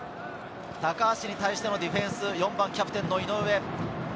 高橋に対してのディフェンスは４番・キャプテン井上。